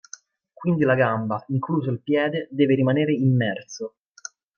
Quindi la gamba, incluso il piede, deve rimanere immerso.